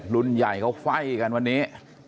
รุ่นใหญ่เขาไฟ่กันวันนี้